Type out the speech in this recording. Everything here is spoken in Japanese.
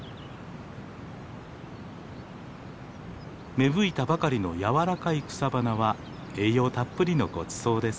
芽吹いたばかりの柔らかい草花は栄養たっぷりのごちそうです。